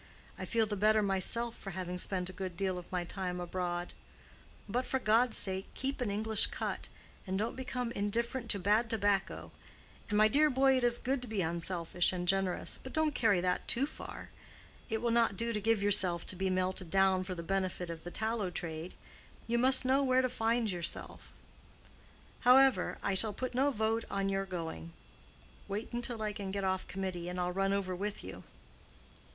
I feel the better myself for having spent a good deal of my time abroad. But, for God's sake, keep an English cut, and don't become indifferent to bad tobacco! And, my dear boy, it is good to be unselfish and generous; but don't carry that too far. It will not do to give yourself to be melted down for the benefit of the tallow trade; you must know where to find yourself. However, I shall put no veto on your going. Wait until I can get off Committee, and I'll run over with you."